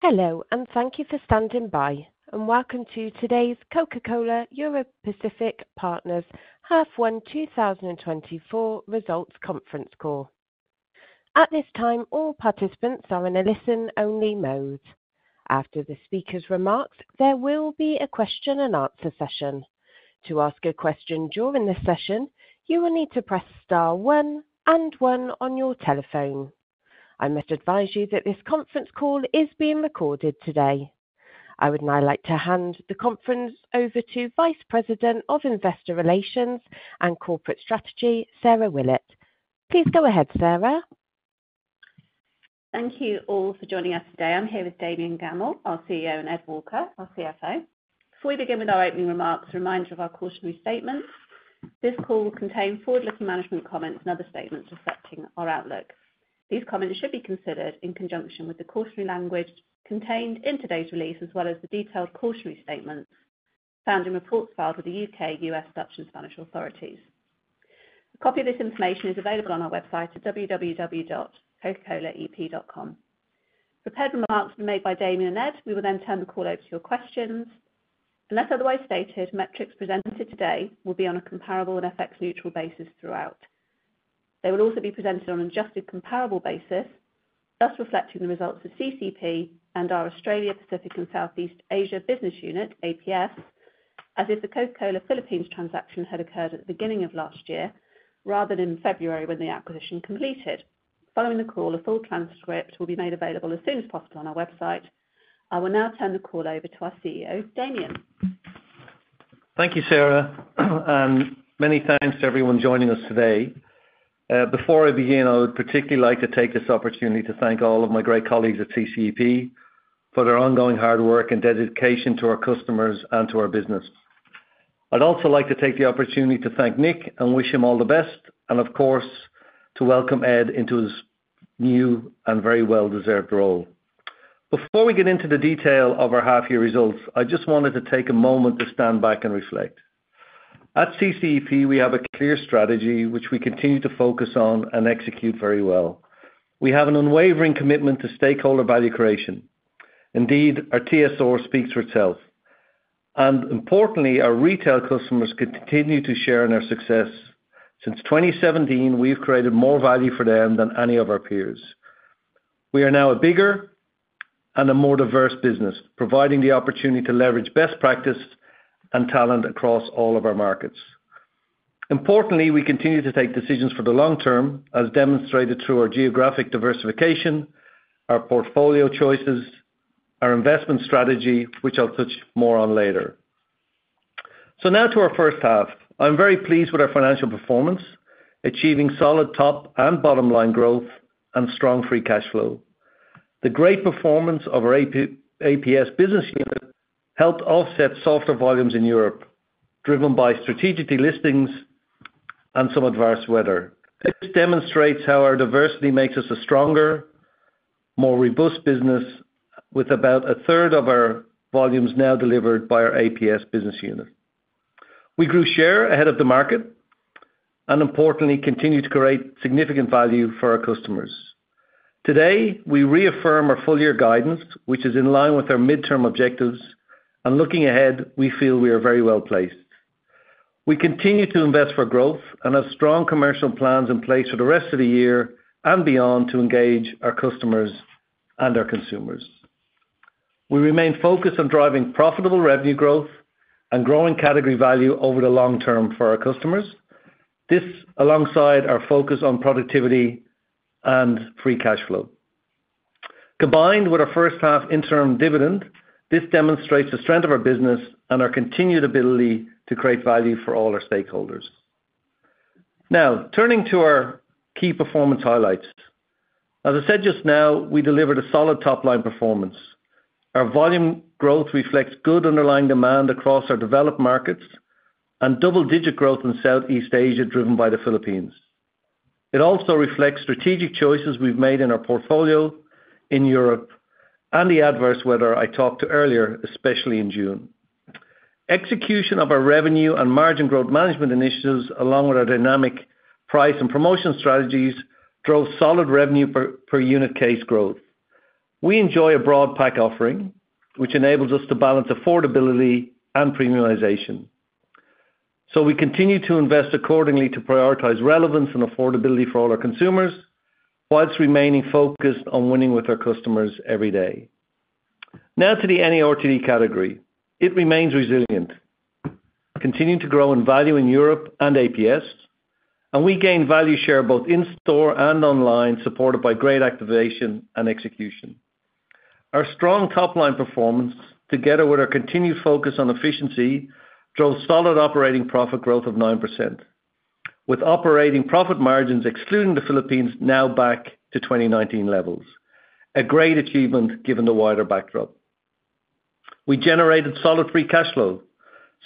Hello, and thank you for standing by, and welcome to today's Coca-Cola Europacific Partners Half One 2024 Results Conference Call. At this time, all participants are in a listen-only mode. After the speaker's remarks, there will be a question-and-answer session. To ask a question during this session, you will need to press star one and one on your telephone. I must advise you that this conference call is being recorded today. I would now like to hand the conference over to Vice President of Investor Relations and Corporate Strategy, Sarah Willett. Please go ahead, Sarah. Thank you all for joining us today. I'm here with Damian Gammell, our CEO, and Ed Walker, our CFO. Before we begin with our opening remarks, a reminder of our cautionary statements. This call will contain forward-looking management comments and other statements affecting our outlook. These comments should be considered in conjunction with the cautionary language contained in today's release, as well as the detailed cautionary statements found in reports filed with the U.K., U.S., Dutch, and Spanish authorities. A copy of this information is available on our website at www.cocacolaep.com. Prepared remarks were made by Damian and Ed. We will then turn the call over to your questions. Unless otherwise stated, metrics presented today will be on a comparable and FX-neutral basis throughout. They will also be presented on an adjusted comparable basis, thus reflecting the results of CCEP and our Australia Pacific and Southeast Asia Business Unit, APS, as if the Coca-Cola Philippines transaction had occurred at the beginning of last year, rather than in February when the acquisition completed. Following the call, a full transcript will be made available as soon as possible on our website. I will now turn the call over to our CEO, Damian. Thank you, Sarah, and many thanks to everyone joining us today. Before I begin, I would particularly like to take this opportunity to thank all of my great colleagues at CCEP for their ongoing hard work and dedication to our customers and to our business. I'd also like to take the opportunity to thank Nick and wish him all the best, and of course, to welcome Ed into his new and very well-deserved role. Before we get into the detail of our half-year results, I just wanted to take a moment to stand back and reflect. At CCEP, we have a clear strategy, which we continue to focus on and execute very well. We have an unwavering commitment to stakeholder value creation. Indeed, our TSR speaks for itself. And importantly, our retail customers continue to share in our success. Since 2017, we've created more value for them than any of our peers. We are now a bigger and a more diverse business, providing the opportunity to leverage best practice and talent across all of our markets. Importantly, we continue to take decisions for the long term, as demonstrated through our geographic diversification, our portfolio choices, our investment strategy, which I'll touch more on later. Now to our first half. I'm very pleased with our financial performance, achieving solid top and bottom line growth and strong free cash flow. The great performance of our APS business unit helped offset softer volumes in Europe, driven by strategic delistings and some adverse weather. This demonstrates how our diversity makes us a stronger, more robust business, with about a third of our volumes now delivered by our APS business unit. We grew share ahead of the market and, importantly, continue to create significant value for our customers. Today, we reaffirm our full-year guidance, which is in line with our midterm objectives, and looking ahead, we feel we are very well placed. We continue to invest for growth and have strong commercial plans in place for the rest of the year and beyond to engage our customers and our consumers. We remain focused on driving profitable revenue growth and growing category value over the long term for our customers, this alongside our focus on productivity and free cash flow. Combined with our first half interim dividend, this demonstrates the strength of our business and our continued ability to create value for all our stakeholders. Now, turning to our key performance highlights. As I said just now, we delivered a solid top-line performance. Our volume growth reflects good underlying demand across our developed markets and double-digit growth in Southeast Asia, driven by the Philippines. It also reflects strategic choices we've made in our portfolio in Europe and the adverse weather I talked to earlier, especially in June. Execution of our revenue and margin growth management initiatives, along with our dynamic price and promotion strategies, drove solid revenue per unit case growth. We enjoy a broad pack offering, which enables us to balance affordability and premiumization. So we continue to invest accordingly to prioritize relevance and affordability for all our consumers whilst remaining focused on winning with our customers every day. Now to the NARTD category. It remains resilient, continuing to grow in value in Europe and APS, and we gain value share both in store and online, supported by great activation and execution. Our strong top-line performance, together with our continued focus on efficiency, drove solid operating profit growth of 9%, with operating profit margins excluding the Philippines now back to 2019 levels, a great achievement given the wider backdrop. We generated solid free cash flow,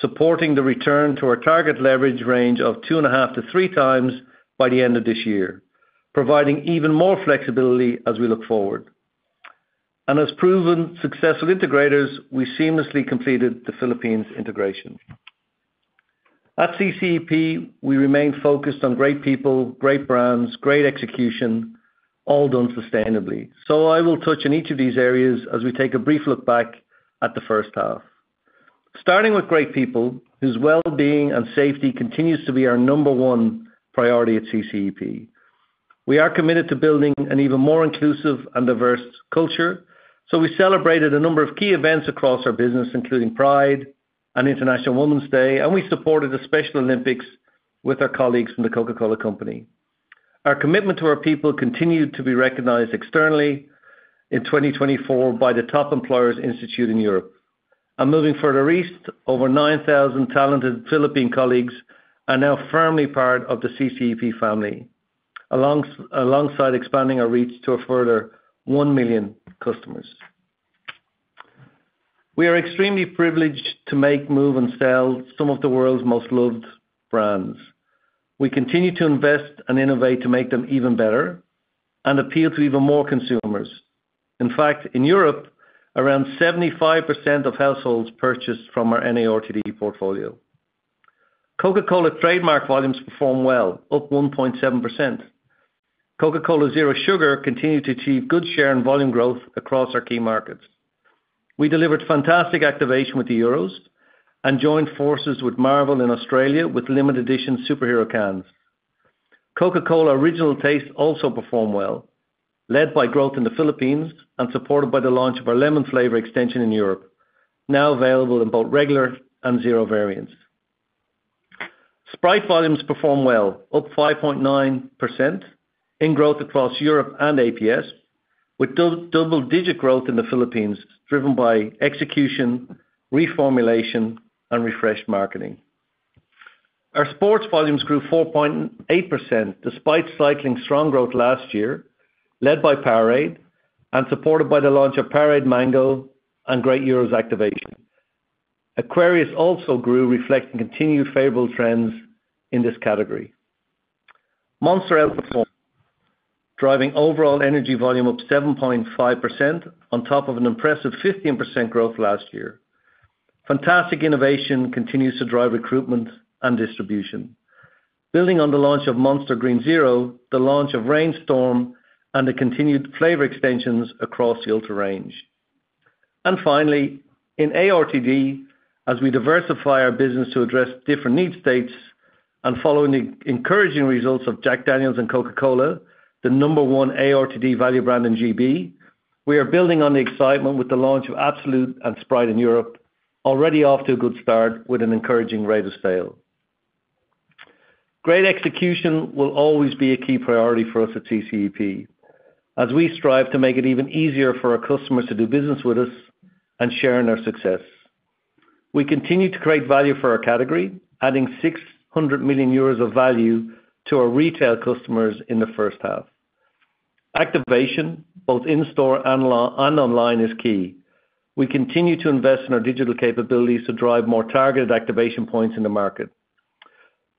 supporting the return to our target leverage range of 2.5-3 times by the end of this year, providing even more flexibility as we look forward. As proven successful integrators, we seamlessly completed the Philippines integration. At CCEP, we remain focused on great people, great brands, great execution, all done sustainably. I will touch on each of these areas as we take a brief look back at the first half. Starting with great people, whose well-being and safety continues to be our number one priority at CCEP. We are committed to building an even more inclusive and diverse culture, so we celebrated a number of key events across our business, including Pride and International Women's Day, and we supported the Special Olympics with our colleagues from the Coca-Cola Company. Our commitment to our people continued to be recognized externally in 2024 by the Top Employers Institute in Europe. Moving further east, over 9,000 talented Philippine colleagues are now firmly part of the CCEP family, alongside expanding our reach to a further 1 million customers. We are extremely privileged to make, move, and sell some of the world's most loved brands. We continue to invest and innovate to make them even better and appeal to even more consumers. In fact, in Europe, around 75% of households purchased from our NARTD portfolio. Coca-Cola trademark volumes perform well, up 1.7%. Coca-Cola Zero Sugar continued to achieve good share and volume growth across our key markets. We delivered fantastic activation with the Euros and joined forces with Marvel in Australia with limited edition superhero cans. Coca-Cola Original Taste also performed well, led by growth in the Philippines and supported by the launch of our lemon flavor extension in Europe, now available in both regular and zero variants. Sprite volumes performed well, up 5.9% in growth across Europe and APS, with double-digit growth in the Philippines, driven by execution, reformulation, and refreshed marketing. Our sports volumes grew 4.8% despite cycling strong growth last year, led by Powerade and supported by the launch of Powerade Mango and Great Euros activation. Aquarius also grew, reflecting continued favorable trends in this category. Monster outperformed, driving overall energy volume up 7.5% on top of an impressive 15% growth last year. Fantastic innovation continues to drive recruitment and distribution, building on the launch of Monster Green Zero, the launch of Reign Storm, and the continued flavor extensions across the ultra range. And finally, in ARTD, as we diversify our business to address different need states and following the encouraging results of Jack Daniel's and Coca-Cola, the number one ARTD value brand in GB, we are building on the excitement with the launch of Absolut and Sprite in Europe, already off to a good start with an encouraging rate of sale. Great execution will always be a key priority for us at CCEP, as we strive to make it even easier for our customers to do business with us and share in our success. We continue to create value for our category, adding 600 million euros of value to our retail customers in the first half. Activation, both in store and online, is key. We continue to invest in our digital capabilities to drive more targeted activation points in the market.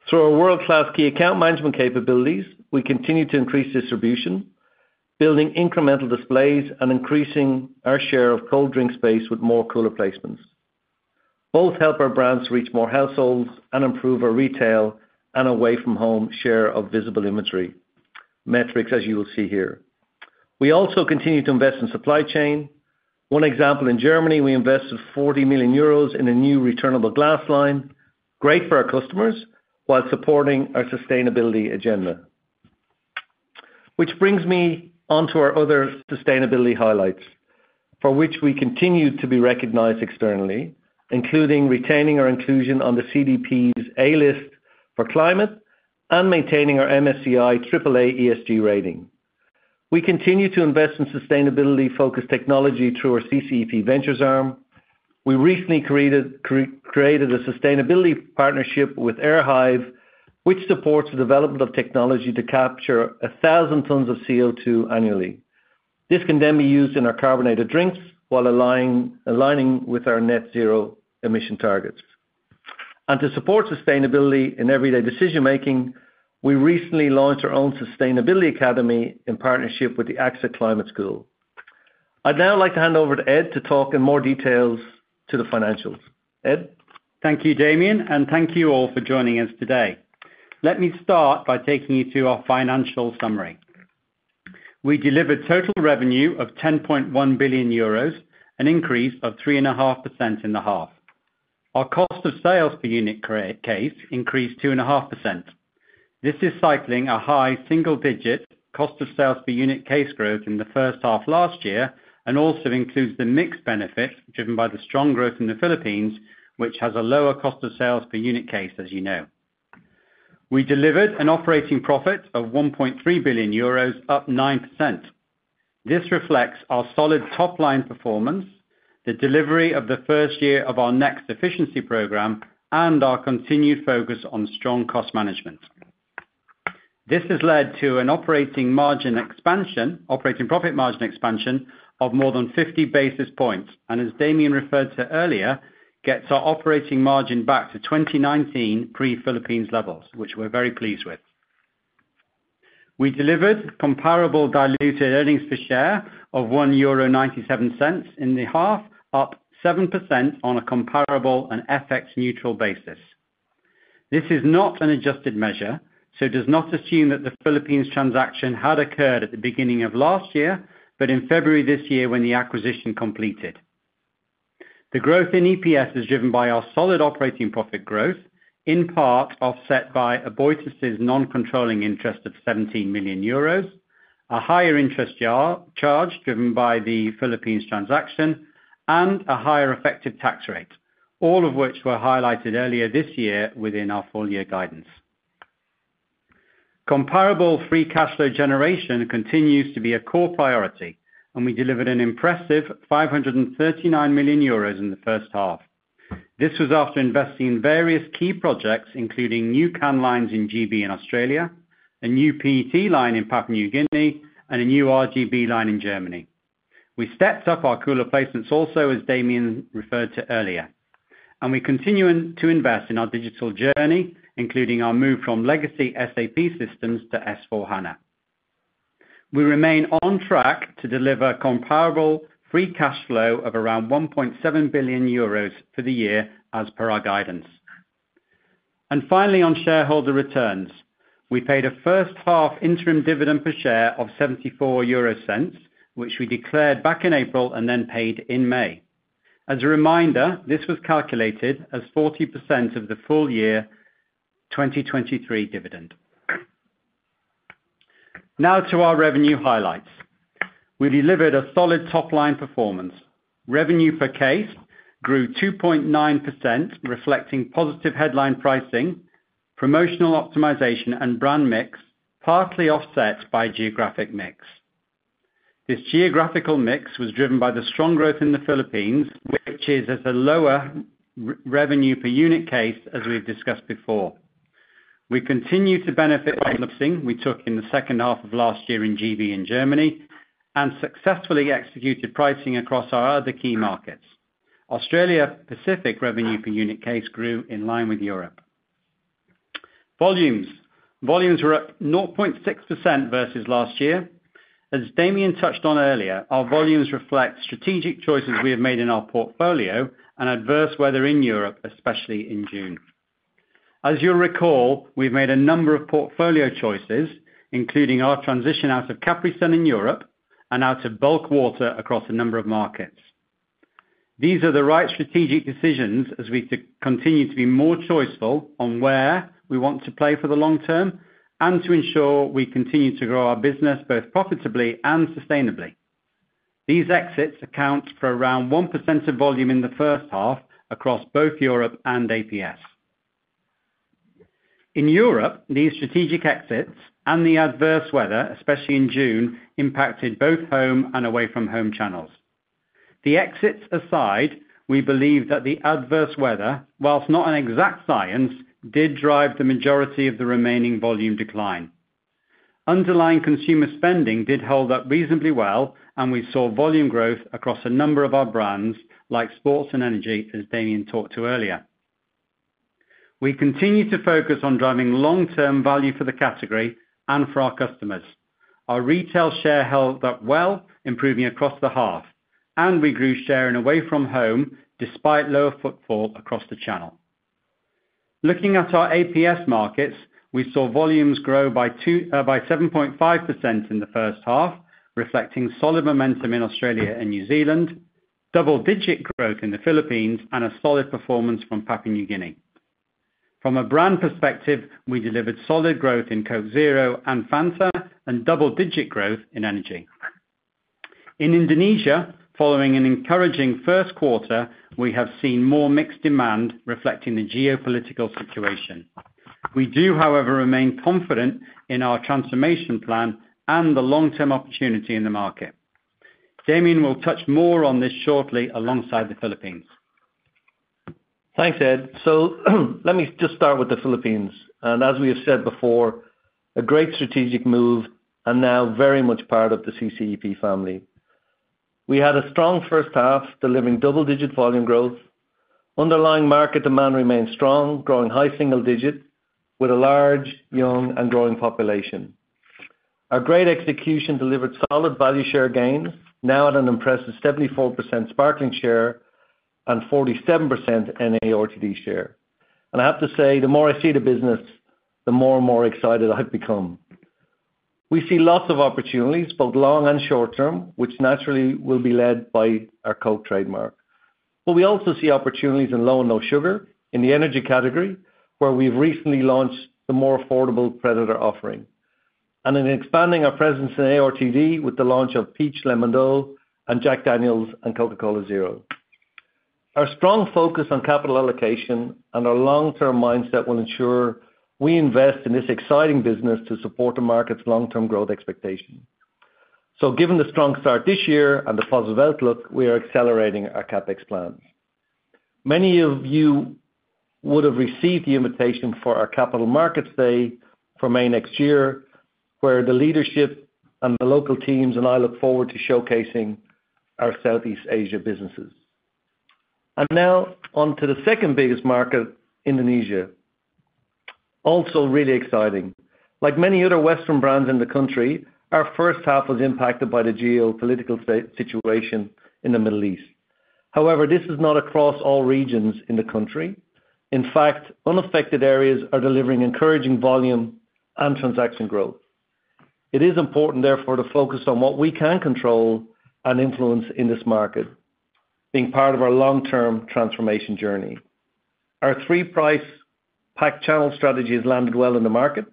Through our world-class key account management capabilities, we continue to increase distribution, building incremental displays and increasing our share of cold drink space with more cooler placements. Both help our brands reach more households and improve our retail and away-from-home share of visible imagery metrics, as you will see here. We also continue to invest in supply chain. One example in Germany, we invested EUR 40 million in a new returnable glass line, great for our customers while supporting our sustainability agenda. Which brings me onto our other sustainability highlights, for which we continue to be recognized externally, including retaining our inclusion on the CDP's A-list for climate and maintaining our MSCI AAA ESG rating. We continue to invest in sustainability-focused technology through our CCEP Ventures arm. We recently created a sustainability partnership with AirHive, which supports the development of technology to capture 1,000 tons of CO2 annually. This can then be used in our carbonated drinks while aligning with our net zero emission targets. To support sustainability in everyday decision-making, we recently launched our own sustainability academy in partnership with the AXA Climate School. I'd now like to hand over to Ed to talk in more details to the financials. Ed. Thank you, Damian, and thank you all for joining us today. Let me start by taking you through our financial summary. We delivered total revenue of 10.1 billion euros, an increase of 3.5% in the half. Our cost of sales per unit case increased 2.5%. This is cycling a high single-digit cost of sales per unit case growth in the first half last year and also includes the mixed benefits driven by the strong growth in the Philippines, which has a lower cost of sales per unit case, as you know. We delivered an operating profit of 1.3 billion euros, up 9%. This reflects our solid top-line performance, the delivery of the first year of our next efficiency program, and our continued focus on strong cost management. This has led to an operating margin expansion, operating profit margin expansion of more than 50 basis points, and as Damian referred to earlier, gets our operating margin back to 2019 pre-Philippines levels, which we're very pleased with. We delivered comparable diluted earnings per share of 1.97 euro in the half, up 7% on a comparable and FX-neutral basis. This is not an adjusted measure, so it does not assume that the Philippines transaction had occurred at the beginning of last year, but in February this year when the acquisition completed. The growth in EPS is driven by our solid operating profit growth, in part offset by Aboitiz's non-controlling interest of 17 million euros, a higher interest charge driven by the Philippines transaction, and a higher effective tax rate, all of which were highlighted earlier this year within our full-year guidance. Comparable free cash flow generation continues to be a core priority, and we delivered an impressive 539 million euros in the first half. This was after investing in various key projects, including new can lines in GB and Australia, a new PET line in Papua New Guinea, and a new RGB line in Germany. We stepped up our cooler placements also, as Damian referred to earlier, and we continue to invest in our digital journey, including our move from legacy SAP systems to S/4HANA. We remain on track to deliver comparable free cash flow of around 1.7 billion euros for the year, as per our guidance. And finally, on shareholder returns, we paid a first half interim dividend per share of 0.74, which we declared back in April and then paid in May. As a reminder, this was calculated as 40% of the full year 2023 dividend. Now to our revenue highlights. We delivered a solid top-line performance. Revenue per case grew 2.9%, reflecting positive headline pricing, promotional optimization, and brand mix, partly offset by geographic mix. This geographical mix was driven by the strong growth in the Philippines, which is at a lower revenue per unit case, as we've discussed before. We continue to benefit from the pricing we took in the second half of last year in GB and Germany and successfully executed pricing across our other key markets. Australia-Pacific revenue per unit case grew in line with Europe. Volumes were up 0.6% versus last year. As Damian touched on earlier, our volumes reflect strategic choices we have made in our portfolio and adverse weather in Europe, especially in June. As you'll recall, we've made a number of portfolio choices, including our transition out of Capri-Sun in Europe and out of bulk water across a number of markets. These are the right strategic decisions as we continue to be more choiceful on where we want to play for the long term and to ensure we continue to grow our business both profitably and sustainably. These exits account for around 1% of volume in the first half across both Europe and APS. In Europe, these strategic exits and the adverse weather, especially in June, impacted both home and away-from-home channels. The exits aside, we believe that the adverse weather, whilst not an exact science, did drive the majority of the remaining volume decline. Underlying consumer spending did hold up reasonably well, and we saw volume growth across a number of our brands, like sports and energy, as Damian talked to earlier. We continue to focus on driving long-term value for the category and for our customers. Our retail share held up well, improving across the half, and we grew share in away-from-home despite lower footfall across the channel. Looking at our APS markets, we saw volumes grow by 7.5% in the first half, reflecting solid momentum in Australia and New Zealand, double-digit growth in the Philippines, and a solid performance from Papua New Guinea. From a brand perspective, we delivered solid growth in Coke Zero and Fanta, and double-digit growth in energy. In Indonesia, following an encouraging first quarter, we have seen more mixed demand, reflecting the geopolitical situation. We do, however, remain confident in our transformation plan and the long-term opportunity in the market. Damian will touch more on this shortly alongside the Philippines. Thanks, Ed. So let me just start with the Philippines. As we have said before, a great strategic move and now very much part of the CCEP family. We had a strong first half, delivering double-digit volume growth. Underlying market demand remained strong, growing high single-digit with a large, young, and growing population. Our great execution delivered solid value share gains, now at an impressive 74% sparkling share and 47% NARTD share. And I have to say, the more I see the business, the more and more excited I've become. We see lots of opportunities, both long and short term, which naturally will be led by our Coke trademark. But we also see opportunities in low- and no-sugar in the energy category, where we've recently launched the more affordable Predator offering, and in expanding our presence in ARTD with the launch of Peach Lemon-Dou and Jack Daniel's and Coca-Cola Zero. Our strong focus on capital allocation and our long-term mindset will ensure we invest in this exciting business to support the market's long-term growth expectations. So given the strong start this year and the positive outlook, we are accelerating our CapEx plans. Many of you would have received the invitation for our Capital Markets Day in May next year, where the leadership and the local teams and I look forward to showcasing our Southeast Asia businesses. Now on to the second biggest market, Indonesia. Also really exciting. Like many other Western brands in the country, our first half was impacted by the geopolitical situation in the Middle East. However, this is not across all regions in the country. In fact, unaffected areas are delivering encouraging volume and transaction growth. It is important, therefore, to focus on what we can control and influence in this market, being part of our long-term transformation journey. Our three-price packed channel strategy has landed well in the market.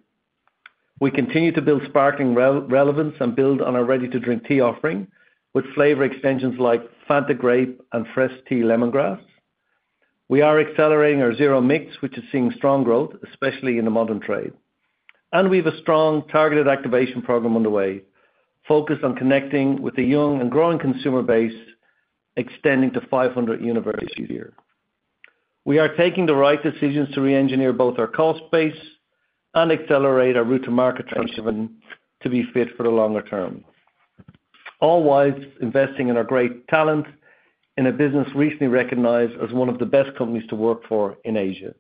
We continue to build sparkling relevance and build on our ready-to-drink tea offering with flavor extensions like Fanta Grape and Frestea Lemongrass. We are accelerating our zero mix, which is seeing strong growth, especially in the modern trade. We have a strong targeted activation program underway, focused on connecting with the young and growing consumer base, extending to 500 universities a year. We are taking the right decisions to re-engineer both our cost base and accelerate our route to market transition to be fit for the longer term. All while investing in our great talent in a business recently recognized as one of the best companies to work for in Asia.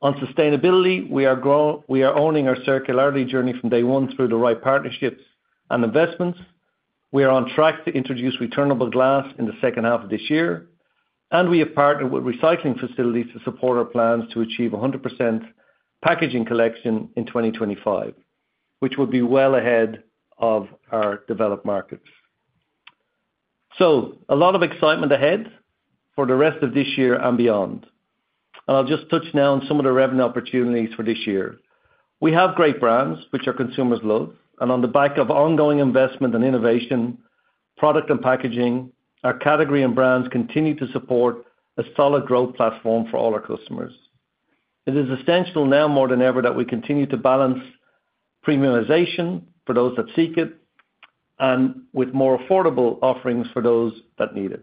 On sustainability, we are owning our circularity journey from day one through the right partnerships and investments. We are on track to introduce returnable glass in the second half of this year, and we have partnered with recycling facilities to support our plans to achieve 100% packaging collection in 2025, which will be well ahead of our developed markets. So a lot of excitement ahead for the rest of this year and beyond. And I'll just touch now on some of the revenue opportunities for this year. We have great brands, which our consumers love, and on the back of ongoing investment and innovation, product and packaging, our category and brands continue to support a solid growth platform for all our customers. It is essential now more than ever that we continue to balance premiumization for those that seek it and with more affordable offerings for those that need it.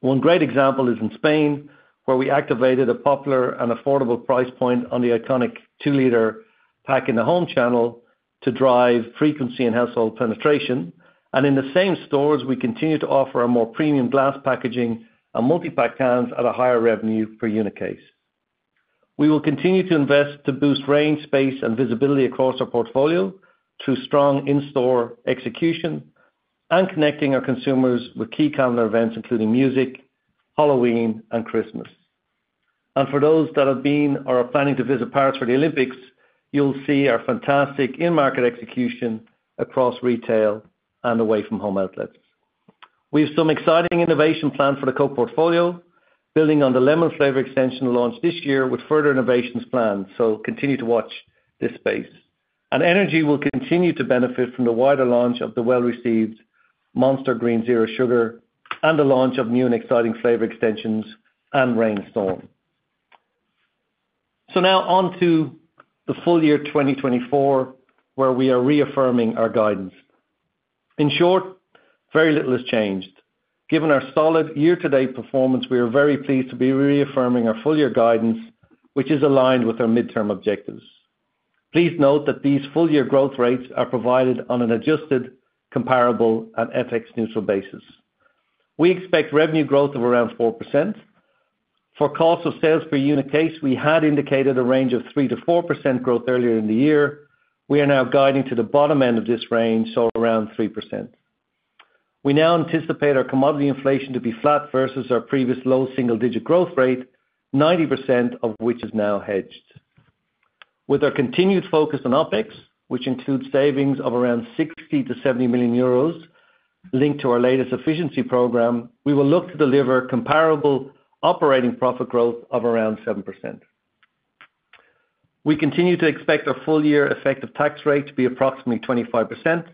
One great example is in Spain, where we activated a popular and affordable price point on the iconic 2-liter pack-in-the-home channel to drive frequency and household penetration. In the same stores, we continue to offer a more premium glass packaging and multi-pack cans at a higher revenue per unit case. We will continue to invest to boost range, space, and visibility across our portfolio through strong in-store execution and connecting our consumers with key calendar events, including music, Halloween, and Christmas. For those that have been or are planning to visit Paris for the Olympics, you'll see our fantastic in-market execution across retail and away-from-home outlets. We have some exciting innovation planned for the Coke portfolio, building on the lemon flavor extension launched this year with further innovations planned. Continue to watch this space. Energy will continue to benefit from the wider launch of the well-received Monster Green Zero Sugar and the launch of new and exciting flavor extensions and Reign Storm. Now on to the full year 2024, where we are reaffirming our guidance. In short, very little has changed. Given our solid year-to-date performance, we are very pleased to be reaffirming our full-year guidance, which is aligned with our midterm objectives. Please note that these full-year growth rates are provided on an adjusted, comparable, and FX-neutral basis. We expect revenue growth of around 4%. For cost of sales per unit case, we had indicated a range of 3%-4% growth earlier in the year. We are now guiding to the bottom end of this range, so around 3%. We now anticipate our commodity inflation to be flat versus our previous low single-digit growth rate, 90% of which is now hedged. With our continued focus on OpEx, which includes savings of around 60 million-70 million euros linked to our latest efficiency program, we will look to deliver comparable operating profit growth of around 7%. We continue to expect a full-year effective tax rate to be approximately 25%,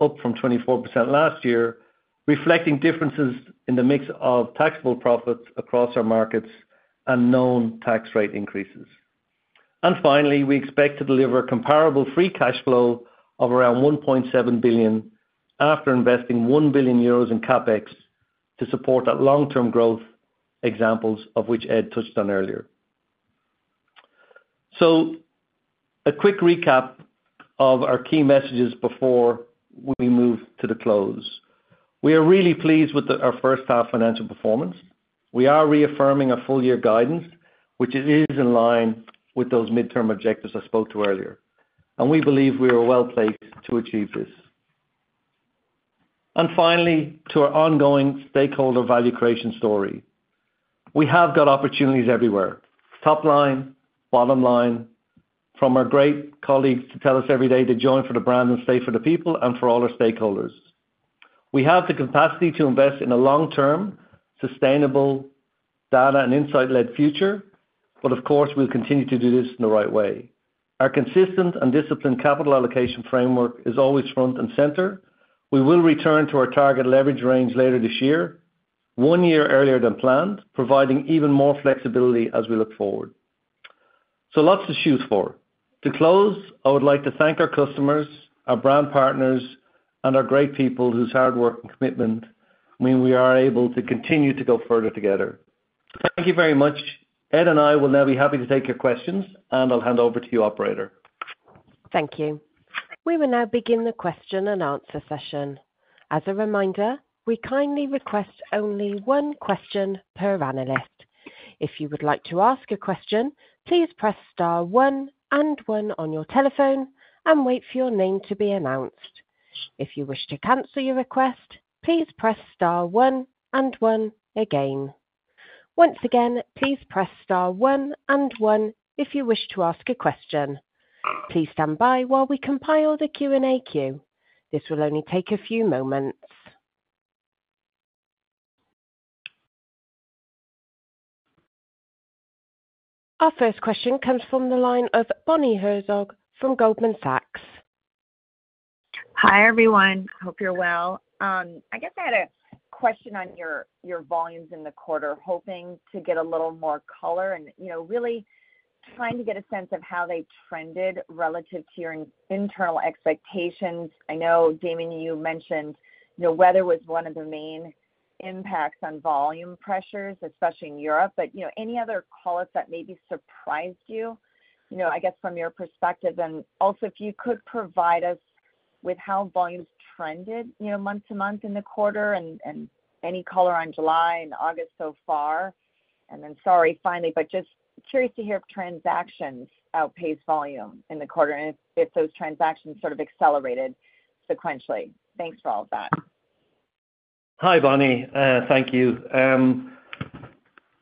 up from 24% last year, reflecting differences in the mix of taxable profits across our markets and known tax rate increases. And finally, we expect to deliver comparable free cash flow of around 1.7 billion after investing 1 billion euros in CapEx to support that long-term growth, examples of which Ed touched on earlier. A quick recap of our key messages before we move to the close. We are really pleased with our first half financial performance. We are reaffirming our full-year guidance, which is in line with those midterm objectives I spoke to earlier. We believe we are well placed to achieve this. And finally, to our ongoing stakeholder value creation story. We have got opportunities everywhere, top line, bottom line, from our great colleagues to tell us every day to join for the brand and stay for the people and for all our stakeholders. We have the capacity to invest in a long-term, sustainable, data and insight-led future, but of course, we'll continue to do this in the right way. Our consistent and disciplined capital allocation framework is always front and center. We will return to our target leverage range later this year, one year earlier than planned, providing even more flexibility as we look forward. So lots to choose for. To close, I would like to thank our customers, our brand partners, and our great people whose hard work and commitment mean we are able to continue to go further together. Thank you very much. Ed and I will now be happy to take your questions, and I'll hand over to you, Operator. Thank you. We will now begin the question and answer session. As a reminder, we kindly request only one question per analyst. If you would like to ask a question, please press star one and one on your telephone and wait for your name to be announced. If you wish to cancel your request, please press star one and one again. Once again, please press star one and one if you wish to ask a question. Please stand by while we compile the Q&A queue. This will only take a few moments. Our first question comes from the line of Bonnie Herzog from Goldman Sachs. Hi everyone. I hope you're well. I guess I had a question on your volumes in the quarter, hoping to get a little more color and really trying to get a sense of how they trended relative to your internal expectations. I know, Damian, you mentioned the weather was one of the main impacts on volume pressures, especially in Europe. But any other call-ups that maybe surprised you, I guess from your perspective? And also, if you could provide us with how volumes trended month-to-month in the quarter and any color on July and August so far. And then sorry, finally, but just curious to hear if transactions outpaced volume in the quarter and if those transactions sort of accelerated sequentially. Thanks for all of that. Hi, Bonnie. Thank you.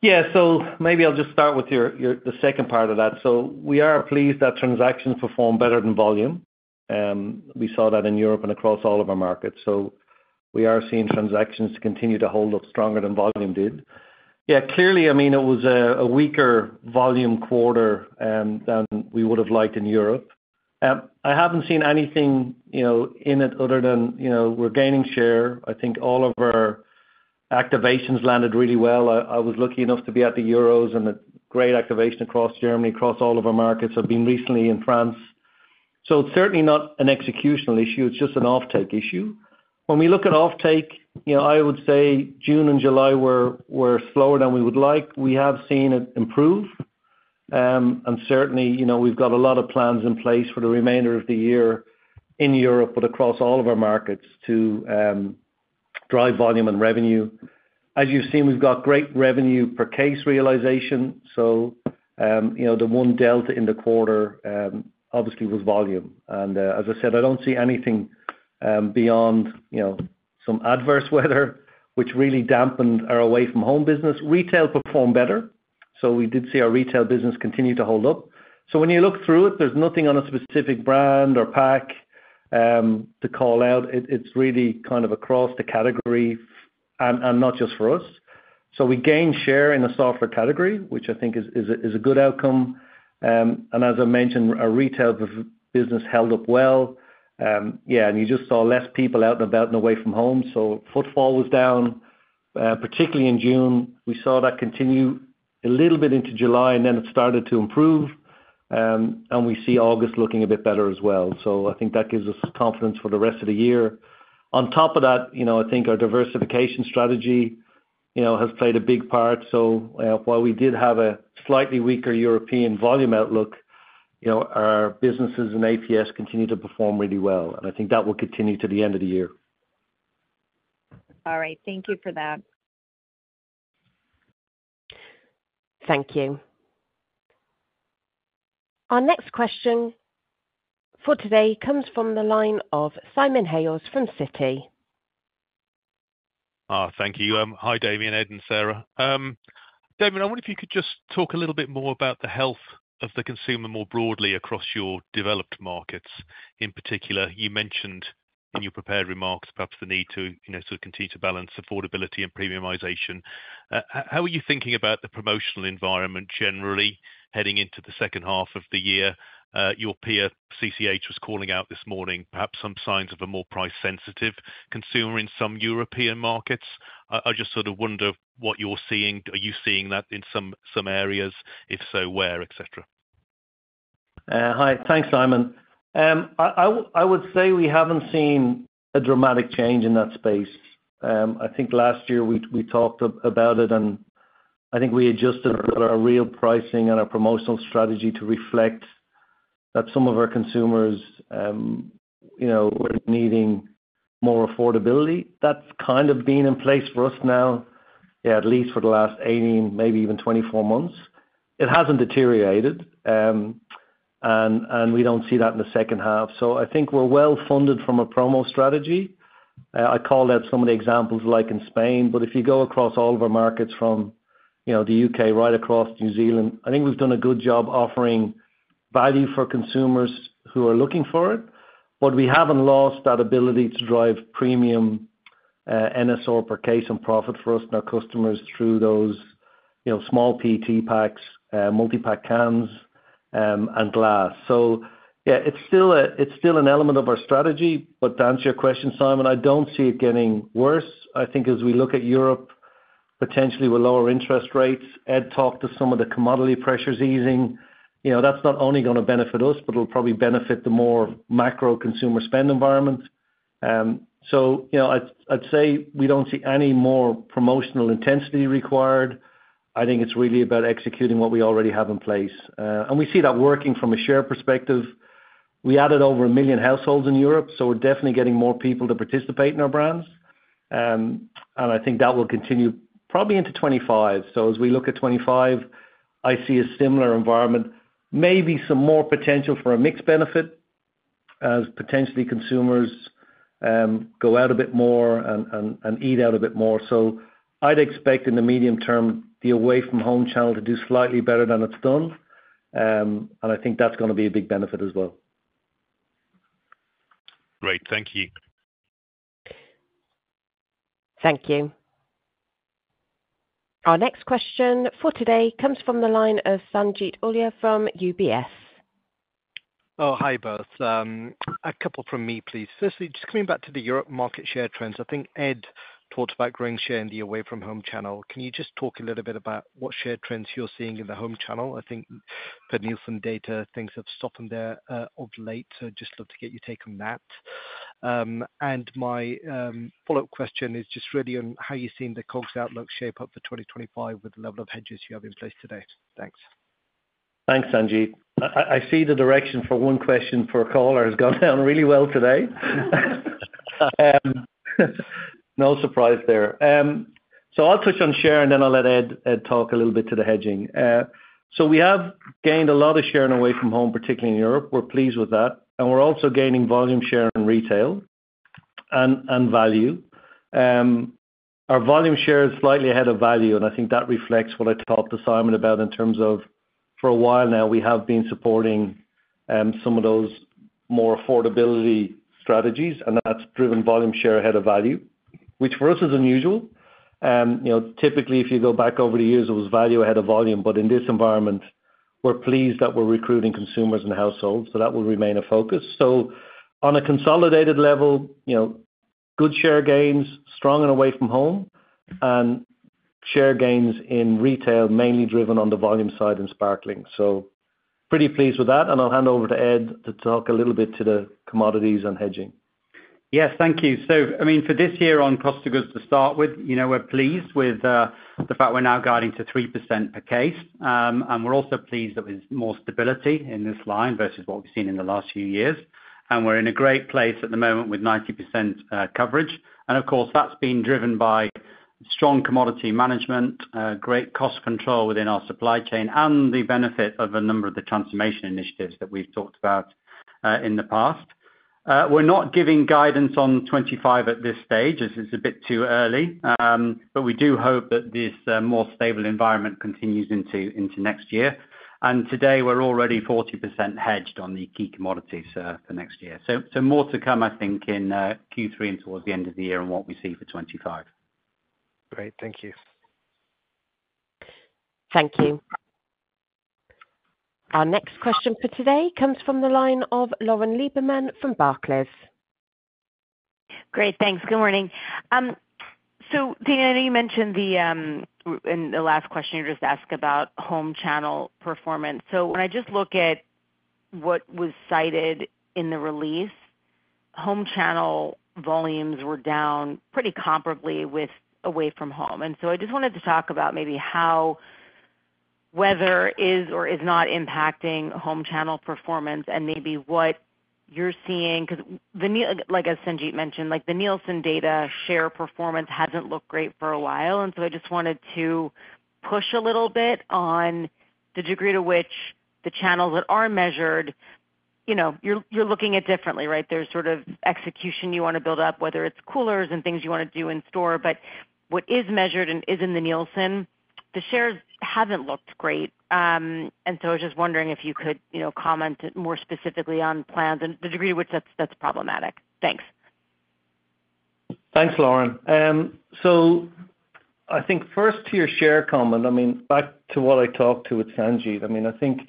Yeah, maybe I'll just start with the second part of that. We are pleased that transactions performed better than volume. We saw that in Europe and across all of our markets. We are seeing transactions continue to hold up stronger than volume did. Yeah, clearly, I mean, it was a weaker volume quarter than we would have liked in Europe. I haven't seen anything in it other than we're gaining share. I think all of our activations landed really well. I was lucky enough to be at the Euros and a great activation across Germany, across all of our markets. I've been recently in France. So it's certainly not an executional issue. It's just an offtake issue. When we look at offtake, I would say June and July were slower than we would like. We have seen it improve. Certainly, we've got a lot of plans in place for the remainder of the year in Europe, but across all of our markets to drive volume and revenue. As you've seen, we've got great revenue per case realization. So the one delta in the quarter obviously was volume. And as I said, I don't see anything beyond some adverse weather, which really dampened our away-from-home business. Retail performed better. So we did see our retail business continue to hold up. So when you look through it, there's nothing on a specific brand or pack to call out. It's really kind of across the category and not just for us. So we gained share in the soda category, which I think is a good outcome. And as I mentioned, our retail business held up well. Yeah, and you just saw less people out and about and away from home. Footfall was down, particularly in June. We saw that continue a little bit into July, and then it started to improve. We see August looking a bit better as well. I think that gives us confidence for the rest of the year. On top of that, I think our diversification strategy has played a big part. While we did have a slightly weaker European volume outlook, our businesses and APS continue to perform really well. I think that will continue to the end of the year. All right. Thank you for that. Thank you. Our next question for today comes from the line of Simon Hales from Citi. Oh, thank you. Hi, Damian, Ed, and Sarah. Damian, I wonder if you could just talk a little bit more about the health of the consumer more broadly across your developed markets. In particular, you mentioned in your prepared remarks, perhaps the need to sort of continue to balance affordability and premiumization. How are you thinking about the promotional environment generally heading into the second half of the year? Your peer, CCH, was calling out this morning, perhaps some signs of a more price-sensitive consumer in some European markets. I just sort of wonder what you're seeing. Are you seeing that in some areas? If so, where, etc.? Hi, thanks, Simon. I would say we haven't seen a dramatic change in that space. I think last year we talked about it, and I think we adjusted our real pricing and our promotional strategy to reflect that some of our consumers were needing more affordability. That's kind of been in place for us now, yeah, at least for the last 18, maybe even 24 months. It hasn't deteriorated, and we don't see that in the second half. So I think we're well funded from a promo strategy. I call that some of the examples like in Spain, but if you go across all of our markets from the U.K. right across New Zealand, I think we've done a good job offering value for consumers who are looking for it. But we haven't lost that ability to drive premium NSR per case and profit for us and our customers through those small PET packs, multi-pack cans, and glass. So yeah, it's still an element of our strategy. But to answer your question, Simon, I don't see it getting worse. I think as we look at Europe, potentially with lower interest rates, Ed talked to some of the commodity pressures easing. That's not only going to benefit us, but it'll probably benefit the more macro consumer spend environment. So I'd say we don't see any more promotional intensity required. I think it's really about executing what we already have in place. And we see that working from a share perspective. We added over a million households in Europe, so we're definitely getting more people to participate in our brands. And I think that will continue probably into 2025. As we look at 2025, I see a similar environment, maybe some more potential for a mixed benefit as potentially consumers go out a bit more and eat out a bit more. I'd expect in the medium term, the away-from-home channel to do slightly better than it's done. I think that's going to be a big benefit as well. Great. Thank you. Thank you. Our next question for today comes from the line of Sanjeet Aujla from UBS. Oh, hi both. A couple from me, please. Firstly, just coming back to the Europe market share trends. I think Ed talked about growing share in the away-from-home channel. Can you just talk a little bit about what share trends you're seeing in the home channel? I think for Nielsen data, things have stopped them there of late, so I'd just love to get your take on that. And my follow-up question is just really on how you're seeing the COGS outlook shape up for 2025 with the level of hedges you have in place today. Thanks. Thanks, Sanjeet. I see the direction for one question for a caller has gone down really well today. No surprise there. So I'll touch on share, and then I'll let Ed talk a little bit to the hedging. So we have gained a lot of share in away-from-home, particularly in Europe. We're pleased with that. And we're also gaining volume share in retail and value. Our volume share is slightly ahead of value, and I think that reflects what I talked to Simon about in terms of for a while now, we have been supporting some of those more affordability strategies, and that's driven volume share ahead of value, which for us is unusual. Typically, if you go back over the years, it was value ahead of volume, but in this environment, we're pleased that we're recruiting consumers and households, so that will remain a focus. On a consolidated level, good share gains, strong in away-from-home, and share gains in retail mainly driven on the volume side and sparkling. Pretty pleased with that. I'll hand over to Ed to talk a little bit to the commodities and hedging. Yes, thank you. So I mean, for this year on cost of goods to start with, we're pleased with the fact we're now guiding to 3% per case. And we're also pleased that there's more stability in this line versus what we've seen in the last few years. And we're in a great place at the moment with 90% coverage. And of course, that's been driven by strong commodity management, great cost control within our supply chain, and the benefit of a number of the transformation initiatives that we've talked about in the past. We're not giving guidance on 2025 at this stage as it's a bit too early, but we do hope that this more stable environment continues into next year. And today, we're already 40% hedged on the key commodities for next year. More to come, I think, in Q3 and towards the end of the year on what we see for 2025. Great. Thank you. Thank you. Our next question for today comes from the line of Lauren Lieberman from Barclays. Great. Thanks. Good morning. So, Damian, I know you mentioned in the last question you just asked about home channel performance. So, when I just look at what was cited in the release, home channel volumes were down pretty comparably with away-from-home. And so, I just wanted to talk about maybe how weather is or is not impacting home channel performance and maybe what you're seeing because, like, as Sanjeet mentioned, the Nielsen data share performance hasn't looked great for a while. And so, I just wanted to push a little bit on the degree to which the channels that are measured, you're looking at differently, right? There's sort of execution you want to build up, whether it's coolers and things you want to do in store. But what is measured and is in the Nielsen, the shares haven't looked great. I was just wondering if you could comment more specifically on plans and the degree to which that's problematic. Thanks. Thanks, Lauren. So I think first to your share comment, I mean, back to what I talked to with Sanjeet. I mean, I think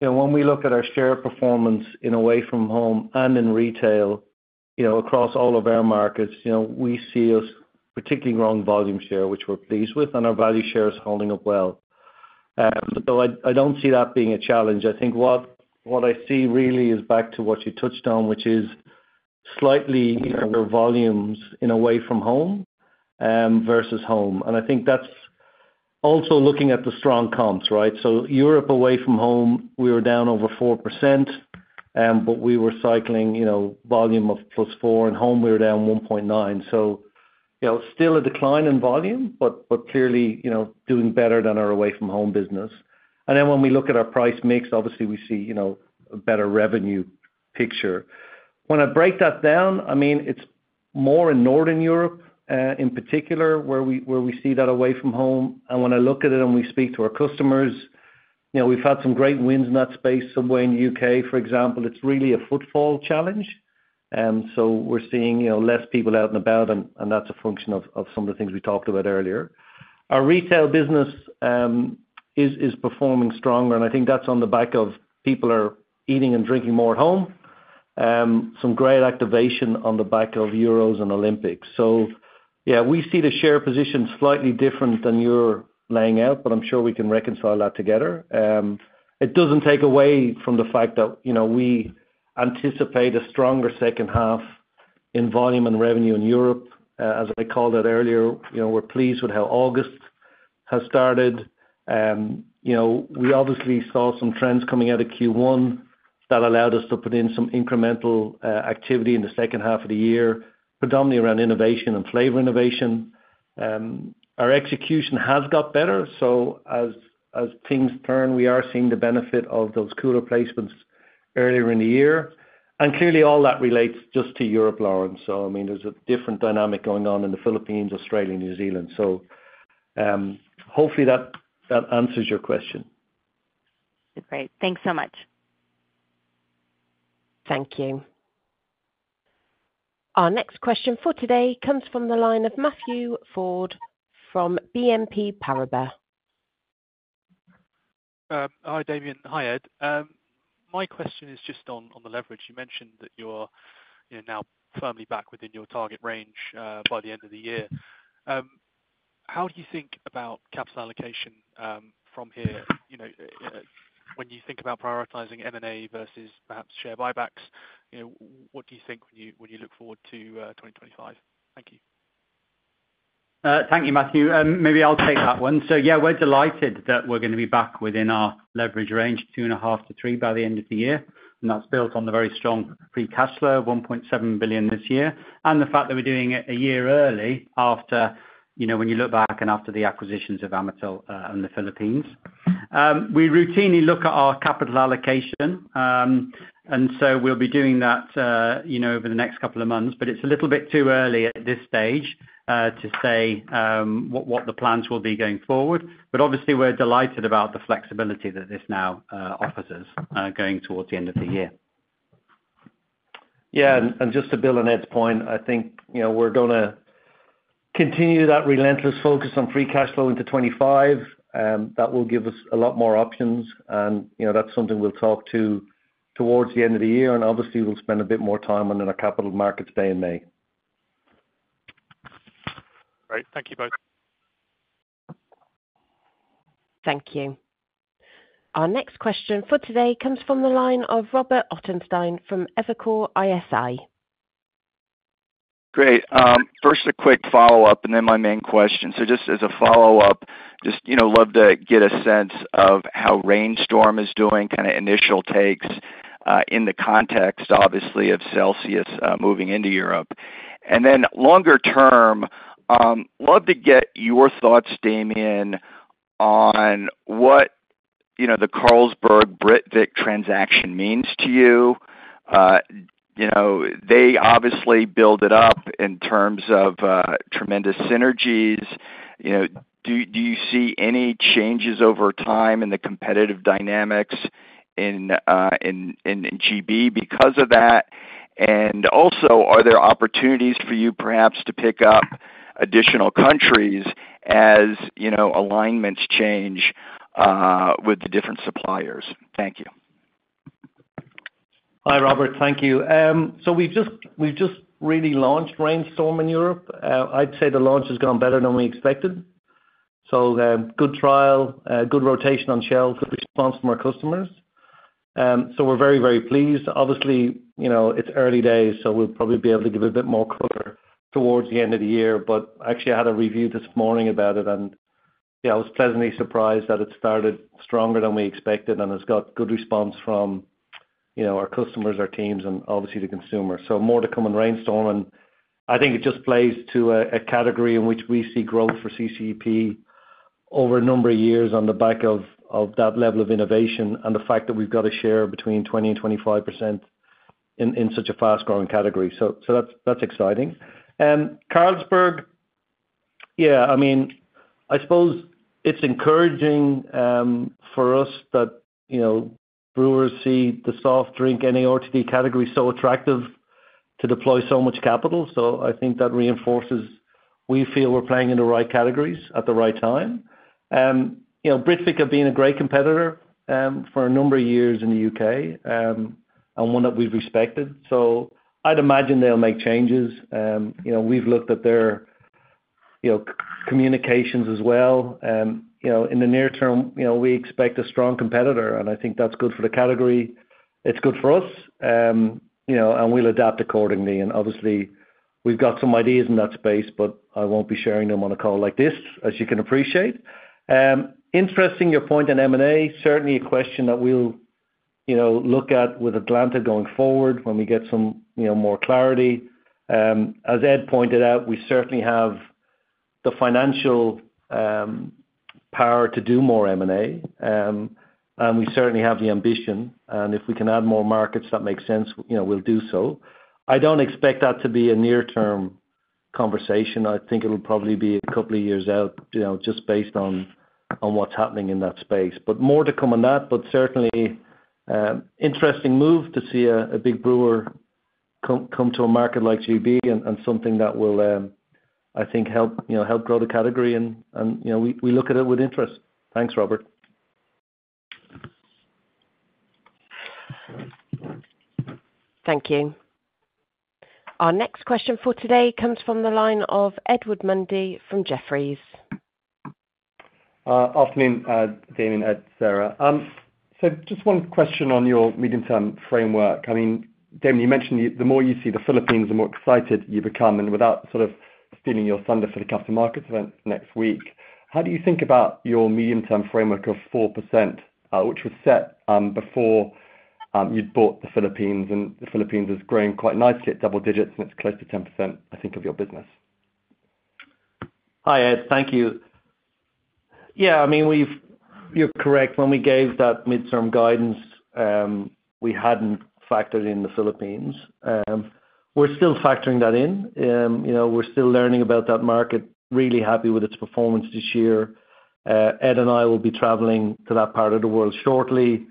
when we look at our share performance in away-from-home and in retail across all of our markets, we see a particularly growing volume share, which we're pleased with, and our value share is holding up well. But I don't see that being a challenge. I think what I see really is back to what you touched on, which is slightly your volumes in away-from-home versus home. And I think that's also looking at the strong comps, right? So Europe away-from-home, we were down over 4%, but we were cycling volume of +4. In home, we were down 1.9. So still a decline in volume, but clearly doing better than our away-from-home business. And then when we look at our price mix, obviously, we see a better revenue picture. When I break that down, I mean, it's more in Northern Europe in particular where we see that away-from-home. And when I look at it and we speak to our customers, we've had some great wins in that space. Somewhere in the U.K., for example, it's really a footfall challenge. So we're seeing less people out and about, and that's a function of some of the things we talked about earlier. Our retail business is performing stronger, and I think that's on the back of people eating and drinking more at home, some great activation on the back of euros and Olympics. So yeah, we see the share position slightly different than you're laying out, but I'm sure we can reconcile that together. It doesn't take away from the fact that we anticipate a stronger second half in volume and revenue in Europe. As I called out earlier, we're pleased with how August has started. We obviously saw some trends coming out of Q1 that allowed us to put in some incremental activity in the second half of the year, predominantly around innovation and flavor innovation. Our execution has got better. So as things turn, we are seeing the benefit of those cooler placements earlier in the year. And clearly, all that relates just to Europe, Lauren. So I mean, there's a different dynamic going on in the Philippines, Australia, New Zealand. So hopefully that answers your question. Great. Thanks so much. Thank you. Our next question for today comes from the line of Matthew Ford from BNP Paribas. Hi, Damian. Hi, Ed. My question is just on the leverage. You mentioned that you're now firmly back within your target range by the end of the year. How do you think about capital allocation from here? When you think about prioritizing M&A versus perhaps share buybacks, what do you think when you look forward to 2025? Thank you. Thank you, Matthew. Maybe I'll take that one. So yeah, we're delighted that we're going to be back within our leverage range, 2.5-3 by the end of the year. And that's built on the very strong free cash flow, 1.7 billion this year, and the fact that we're doing it a year early after when you look back and after the acquisitions of Aboitiz and the Philippines. We routinely look at our capital allocation, and so we'll be doing that over the next couple of months. But it's a little bit too early at this stage to say what the plans will be going forward. But obviously, we're delighted about the flexibility that this now offers us going towards the end of the year. Yeah. Just to Bill and Ed's point, I think we're going to continue that relentless focus on free cash flow into 2025. That will give us a lot more options. That's something we'll talk to towards the end of the year. Obviously, we'll spend a bit more time on the capital markets day in May. Great. Thank you both. Thank you. Our next question for today comes from the line of Robert Ottenstein from Evercore ISI. Great. First, a quick follow-up, and then my main question. So just as a follow-up, just love to get a sense of how Reign Storm is doing, kind of initial takes in the context, obviously, of Celsius moving into Europe. And then longer term, love to get your thoughts, Damian, on what the Carlsberg-Britvic transaction means to you. They obviously build it up in terms of tremendous synergies. Do you see any changes over time in the competitive dynamics in GB because of that? And also, are there opportunities for you perhaps to pick up additional countries as alignments change with the different suppliers? Thank you. Hi, Robert. Thank you. So we've just really launched Reign Storm in Europe. I'd say the launch has gone better than we expected. So good trial, good rotation on shelves with response from our customers. So we're very, very pleased. Obviously, it's early days, so we'll probably be able to give it a bit more cover towards the end of the year. But actually, I had a review this morning about it, and I was pleasantly surprised that it started stronger than we expected, and it's got good response from our customers, our teams, and obviously the consumers. So more to come in Reign Storm. And I think it just plays to a category in which we see growth for CCEP over a number of years on the back of that level of innovation and the fact that we've got a share between 20%-25% in such a fast-growing category. So that's exciting. Carlsberg, yeah, I mean, I suppose it's encouraging for us that brewers see the soft drink, any ARTD category so attractive to deploy so much capital. So I think that reinforces we feel we're playing in the right categories at the right time. Britvic have been a great competitor for a number of years in the U.K. and one that we've respected. So I'd imagine they'll make changes. We've looked at their communications as well. In the near term, we expect a strong competitor, and I think that's good for the category. It's good for us, and we'll adapt accordingly. And obviously, we've got some ideas in that space, but I won't be sharing them on a call like this, as you can appreciate. Interesting your point on M&A. Certainly a question that we'll look at with Atlanta going forward when we get some more clarity. As Ed pointed out, we certainly have the financial power to do more M&A, and we certainly have the ambition. And if we can add more markets that make sense, we'll do so. I don't expect that to be a near-term conversation. I think it'll probably be a couple of years out just based on what's happening in that space. But more to come on that, but certainly interesting move to see a big brewer come to a market like GB and something that will, I think, help grow the category. And we look at it with interest. Thanks, Robert. Thank you. Our next question for today comes from the line of Edward Mundy from Jefferies. Afternoon, Damian, Ed, Sarah. So just one question on your medium-term framework. I mean, Damian, you mentioned the more you see the Philippines, the more excited you become. And without sort of stealing your thunder for the capital markets event next week, how do you think about your medium-term framework of 4%, which was set before you'd bought the Philippines and the Philippines is growing quite nicely at double digits, and it's close to 10%, I think, of your business? Hi, Ed. Thank you. Yeah, I mean, you're correct. When we gave that midterm guidance, we hadn't factored in the Philippines. We're still factoring that in. We're still learning about that market, really happy with its performance this year. Ed and I will be traveling to that part of the world shortly.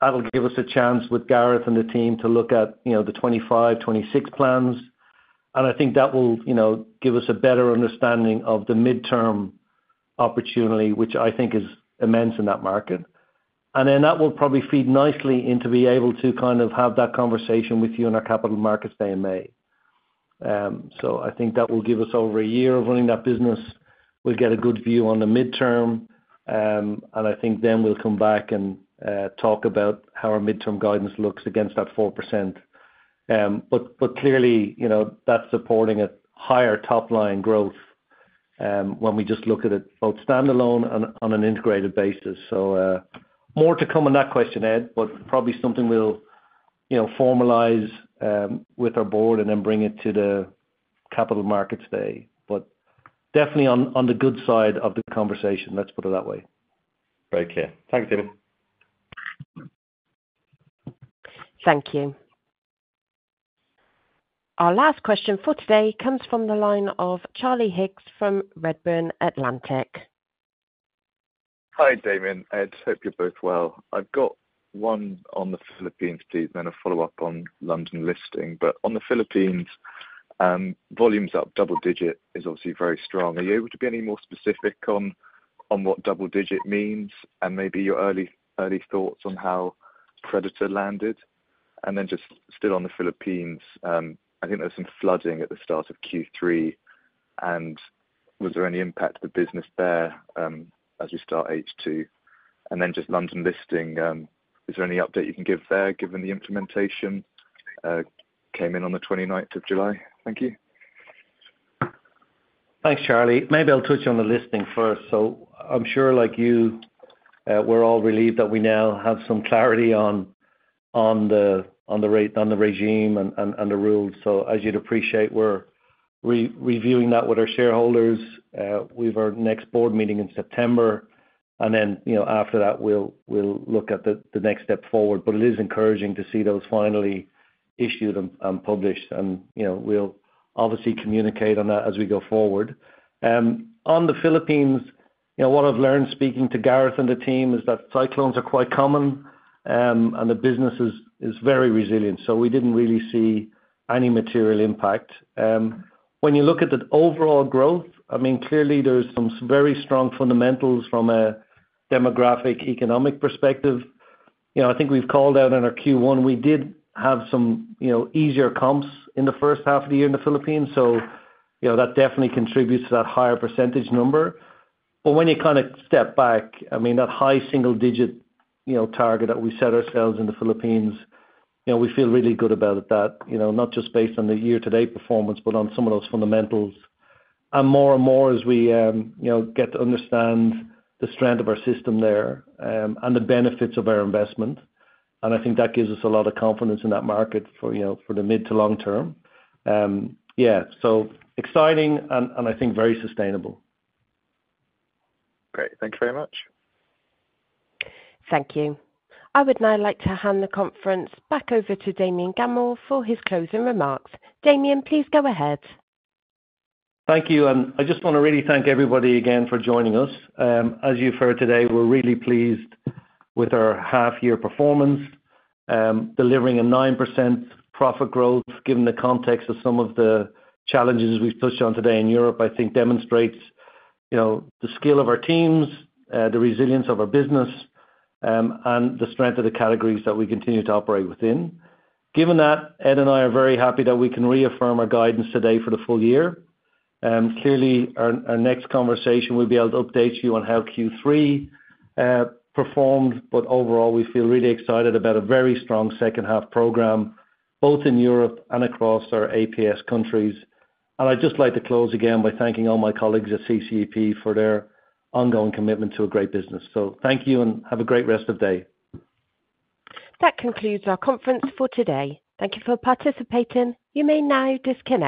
That'll give us a chance with Gareth and the team to look at the 2025, 2026 plans. And I think that will give us a better understanding of the midterm opportunity, which I think is immense in that market. And then that will probably feed nicely into being able to kind of have that conversation with you on our capital markets day in May. So I think that will give us over a year of running that business. We'll get a good view on the midterm, and I think then we'll come back and talk about how our midterm guidance looks against that 4%. But clearly, that's supporting a higher top-line growth when we just look at it both standalone and on an integrated basis. So more to come on that question, Ed, but probably something we'll formalize with our board and then bring it to the capital markets day. But definitely on the good side of the conversation. Let's put it that way. Great. Yeah. Thanks, Damian. Thank you. Our last question for today comes from the line of Charlie Higgs from Redburn Atlantic. Hi, Damian. Ed, hope you're both well. I've got one on the Philippines, please, then a follow-up on London listing. On the Philippines, volumes up double digit is obviously very strong. Are you able to be any more specific on what double digit means and maybe your early thoughts on how Predator landed? Then just still on the Philippines, I think there was some flooding at the start of Q3. Was there any impact to the business there as we start H2? Then just London listing, is there any update you can give there given the implementation came in on the 29th of July? Thank you. Thanks, Charlie. Maybe I'll touch on the listing first. So I'm sure like you, we're all relieved that we now have some clarity on the regime and the rules. So as you'd appreciate, we're reviewing that with our shareholders. We have our next board meeting in September. And then after that, we'll look at the next step forward. But it is encouraging to see those finally issued and published. And we'll obviously communicate on that as we go forward. On the Philippines, what I've learned speaking to Gareth and the team is that cyclones are quite common, and the business is very resilient. So we didn't really see any material impact. When you look at the overall growth, I mean, clearly there's some very strong fundamentals from a demographic economic perspective. I think we've called out in our Q1, we did have some easier comps in the first half of the year in the Philippines. So that definitely contributes to that higher percentage number. But when you kind of step back, I mean, that high single-digit target that we set ourselves in the Philippines, we feel really good about that, not just based on the year-to-date performance, but on some of those fundamentals. And more and more as we get to understand the strength of our system there and the benefits of our investment. And I think that gives us a lot of confidence in that market for the mid to long term. Yeah. So exciting and I think very sustainable. Great. Thank you very much. Thank you. I would now like to hand the conference back over to Damian Gammell for his closing remarks. Damian, please go ahead. Thank you. I just want to really thank everybody again for joining us. As you've heard today, we're really pleased with our half-year performance. Delivering a 9% profit growth, given the context of some of the challenges we've touched on today in Europe, I think demonstrates the skill of our teams, the resilience of our business, and the strength of the categories that we continue to operate within. Given that, Ed and I are very happy that we can reaffirm our guidance today for the full year. Clearly, our next conversation, we'll be able to update you on how Q3 performed. But overall, we feel really excited about a very strong second-half program, both in Europe and across our APS countries. I'd just like to close again by thanking all my colleagues at CCEP for their ongoing commitment to a great business. Thank you and have a great rest of the day. That concludes our conference for today. Thank you for participating. You may now disconnect.